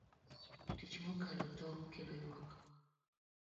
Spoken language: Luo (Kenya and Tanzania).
Tich mokalo tong' kelo ywak.